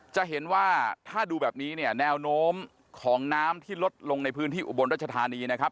จะเห็นว่าถ้าดูแบบนี้เนี่ยแนวโน้มของน้ำที่ลดลงในพื้นที่อุบลรัชธานีนะครับ